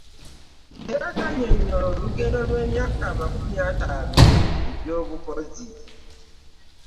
Era kannyonnyola olugendo lw'emyaka amakumi ataano egy'obukozi